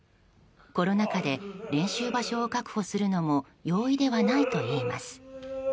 コロナ禍で練習場所を確保するのも容易ではないといいます。